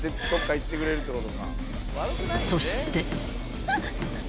［そして］